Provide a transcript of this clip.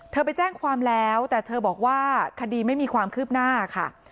ไปแจ้งความแล้วแต่เธอบอกว่าคดีไม่มีความคืบหน้าค่ะ